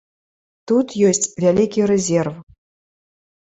Тут ёсць вялікі рэзерв.